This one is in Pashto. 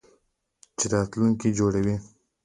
چې راتلونکی جوړوي.